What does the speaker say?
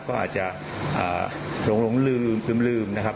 ก็อาจจะหลงลืมนะครับ